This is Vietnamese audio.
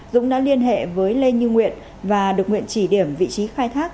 dũng đã liên hệ với lê như nguyễn và được nguyện chỉ điểm vị trí khai thác